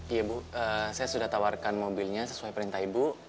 iya ibu saya sudah tawarkan mobilnya sesuai perintah ibu